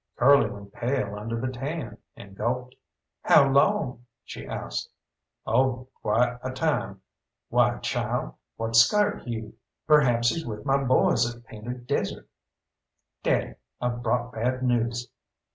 Curly went pale under the tan, and gulped. "How long?" she asked. "Oh, quite a time. Why, child, what's scart you? Perhaps he's with my boys at Painted Desert." "Daddy, I've brought bad news."